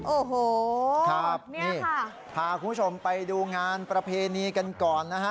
โอ้โหครับนี่พาคุณผู้ชมไปดูงานประเพณีกันก่อนนะฮะ